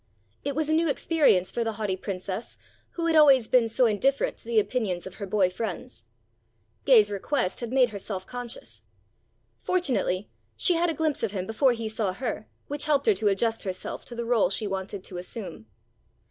It was a new experience for the haughty Princess who had always been so indifferent to the opinions of her boy friends. Gay's request had made her self conscious. Fortunately she had a glimpse of him before he saw her, which helped her to adjust herself to the rôle she wanted to assume.